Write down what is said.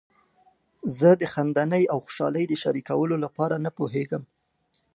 زه د خندنۍ او خوشحالۍ د شریکولو لپاره نه پوهیږم.